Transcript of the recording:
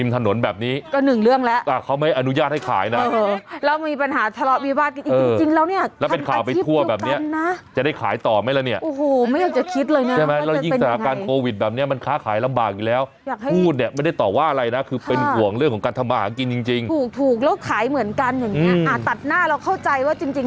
ถูกถูกแล้วขายเหมือนกันอย่างเงี้ยอ่าตัดหน้าเราเข้าใจว่าจริงจริง